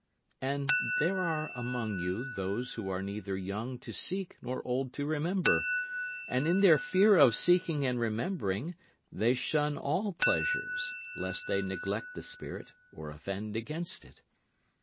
And there are among you those who are neither young to seek nor old to remember; And in their fear of seeking and remembering they shun all pleasures, lest they neglect the spirit or offend against it.